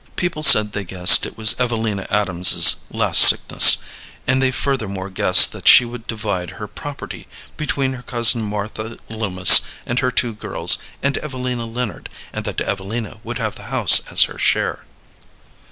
People said they guessed it was Evelina Adams's last sickness, and they furthermore guessed that she would divide her property between her cousin Martha Loomis and her two girls and Evelina Leonard, and that Evelina would have the house as her share.